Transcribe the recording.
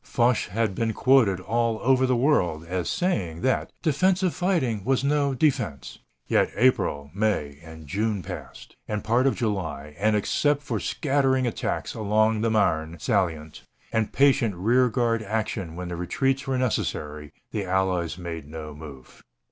Foch had been quoted all over the world as saying that "defensive fighting was no defense." Yet April, May, and June passed, and part of July, and except for scattering attacks along the Marne salient, and patient rear guard action when the retreats were necessary, the Allies made no move.